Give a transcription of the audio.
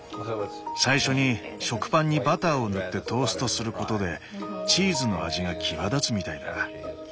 最初に食パンにバターを塗ってトーストすることでチーズの味が際立つみたいだ。